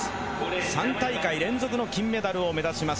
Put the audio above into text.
３大会連続の金メダルを目指します。